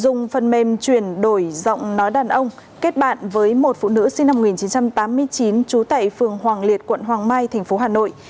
dùng phần mềm chuyển đổi giọng nói đàn ông kết bạn với một phụ nữ sinh năm một nghìn chín trăm tám mươi chín trú tại phường hoàng liệt quận hoàng mai tp hà nội